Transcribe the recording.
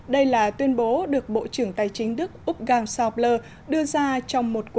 đây là tuyên bố được bộ trưởng tài chính đức uppgang saabler đưa ra trong một quả